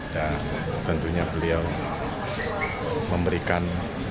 dan tentunya beliau memberikan